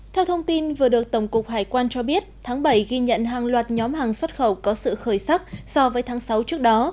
theo thông tin vừa được tổng cục hải quan cho biết tháng bảy ghi nhận hàng loạt nhóm hàng xuất khẩu có sự khởi sắc so với tháng sáu trước đó